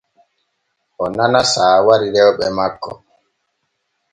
O nana saawari rewɓe makko.